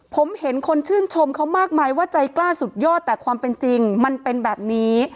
ผมเห็นคนชื่นชมเขามากมายว่าใจกล้าสุดยอดแต่ความเป็นจริงมันเป็นแบบนี้